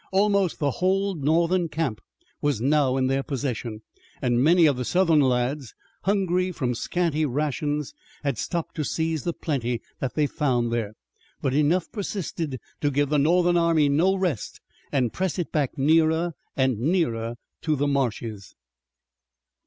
Almost the whole Northern camp was now in their possession, and many of the Southern lads, hungry from scanty rations, stopped to seize the plenty that they found there, but enough persisted to give the Northern army no rest, and press it back nearer and nearer to the marshes.